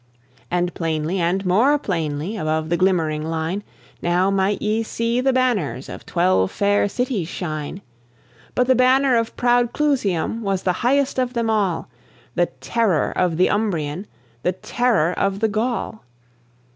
And plainly and more plainly, Above the glimmering line, Now might ye see the banners Of twelve fair cities shine; But the banner of proud Clusium Was the highest of them all, The terror of the Umbrian, The terror of the Gaul.